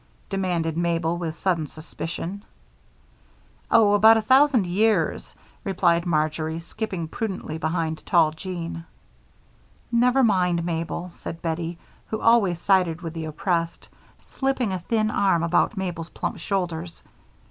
demanded Mabel, with sudden suspicion. "Oh, about a thousand years," replied Marjory, skipping prudently behind tall Jean. "Never mind, Mabel," said Bettie, who always sided with the oppressed, slipping a thin arm about Mabel's plump shoulders.